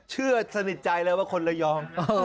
เชื่อสนิทใจเลยว่าคนระยอง